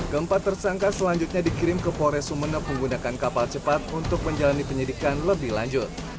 keempat tersangka selanjutnya dikirim ke polres sumeneb menggunakan kapal cepat untuk menjalani penyidikan lebih lanjut